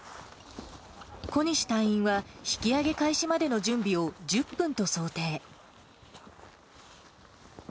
小西隊員は、引き上げ開始までの準備を１０分と想定。